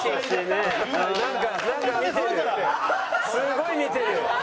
すごい見てる。